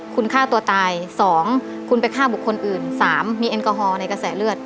คุณฆ่าตัวตาย๒คุณไปฆ่าบุคคลอื่น๓มีแอลกอฮอลในกระแสเลือด